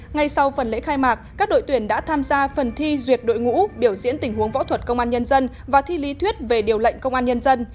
ngay sau phần lễ khai mạc các đội tuyển đã tham gia phần thi duyệt đội ngũ biểu diễn tình huống võ thuật công an nhân dân và thi lý thuyết về điều lệnh công an nhân dân